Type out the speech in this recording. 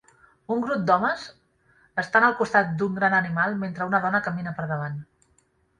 Un grup d'homes estan al costat d'un gran animal mentre una dona camina per davant.